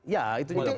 ya itu juga